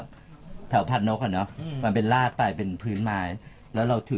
แบบมันหยุดเองอ่ะ